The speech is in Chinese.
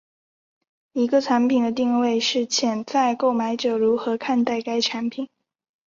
一个产品的定位是潜在购买者如何看待该产品。